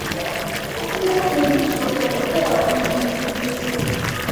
kuwa ni mwisho wa kuyapokea unanisikiliza